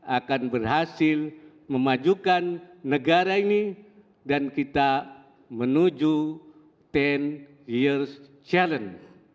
akan berhasil memajukan negara ini dan kita menuju sepuluh years challenge